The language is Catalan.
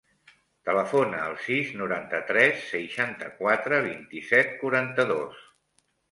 Telefona al sis, noranta-tres, seixanta-quatre, vint-i-set, quaranta-dos.